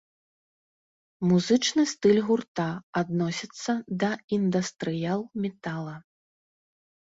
Музычны стыль гурта адносіцца да індастрыял-метала.